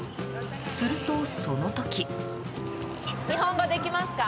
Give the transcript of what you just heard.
すると、その時。